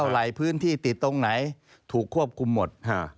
หลายพื้นที่ติดตรงไหนถูกควบคุมหมด